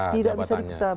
tidak bisa dipisah jabatannya